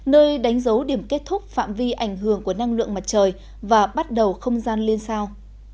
nơi đánh dấu điểm kết thúc phạm vi ảnh hưởng của năng lượng mặt trời và bắt đầu không gian liên sao